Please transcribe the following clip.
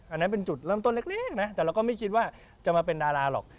อันนั้นเป็นจุดเริ่มต้นเล็กนะแต่เราก็ไม่คิดว่าจะมาเป็นดาราหรอก